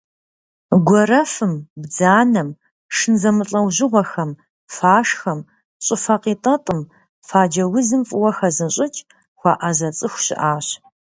Гуэрэфым, бдзанэм, шын зэмылӏэужьыгъуэхэм, фашхэм, щӏыфэ къитӏэтӏым, фаджэ узым фӏыуэ хэзыщӏыкӏ, хуэӏэзэ цӏыху щыӏащ.